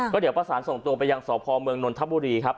ก็เดี๋ยวประสานส่งตัวไปยังสพเมืองนนทบุรีครับ